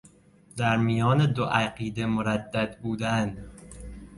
در میان دو عقیده مردد بودن